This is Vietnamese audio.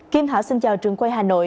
kim thảo xin chào trường quay hà nội